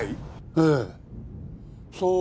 ええそう